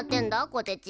こてち。